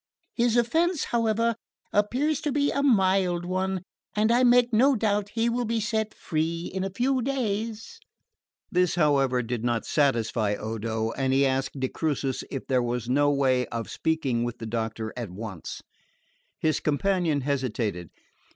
His offence, however, appears to be a mild one, and I make no doubt he will be set free in a few days." This, however, did not satisfy Odo; and he asked de Crucis if there were no way of speaking with the doctor at once. His companion hesitated.